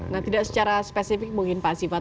nah tidak secara spesifik mungkin pak sifat